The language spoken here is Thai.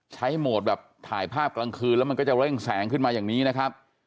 โหมดแบบถ่ายภาพกลางคืนแล้วมันก็จะเร่งแสงขึ้นมาอย่างนี้นะครับ